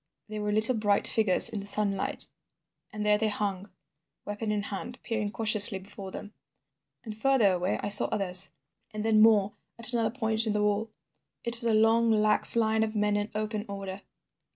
They were little bright figures in the sunlight, and there they hung, weapon in hand, peering cautiously before them. "And further away I saw others and then more at another point in the wall. It was a long lax line of men in open order.